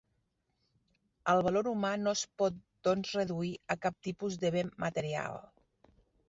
El valor humà no es pot doncs reduir a cap tipus de bé material.